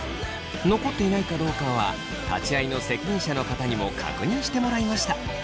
残っていないかどうかは立ち会いの責任者の方にも確認してもらいました。